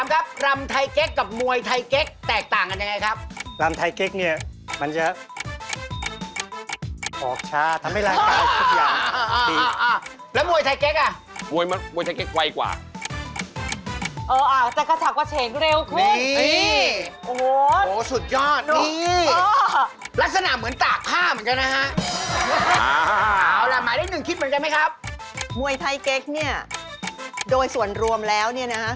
มาถึงว่าทัยเก็กกับมวยทัยเก็กแตกต่างกันยังไงครับรามทัยเก็กเนี่ยมันจะออกช้าทำให้รางกายทุกอย่างดีอ่า